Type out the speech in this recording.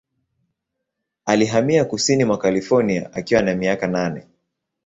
Alihamia kusini mwa California akiwa na miaka minne.